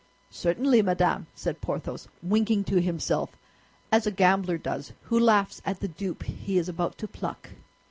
"Certainly, madame," said Porthos, winking to himself, as a gambler does who laughs at the dupe he is about to pluck.